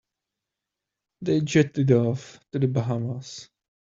They jetted off to the Bahamas.